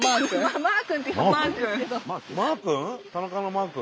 マー君？